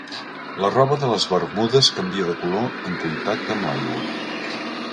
La roba de les bermudes canvia de color en contacte amb l'aigua.